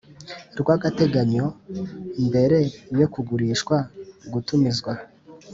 rw agateganyo mbere yo kugurishwa gutumizwa